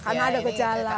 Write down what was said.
karena ada gejala